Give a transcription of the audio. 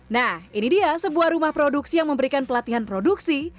nah ini dia sebuah rumah produksi yang memberikan pelatihan produksi